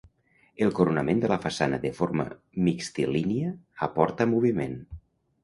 El coronament de la façana de forma mixtilínia aporta moviment.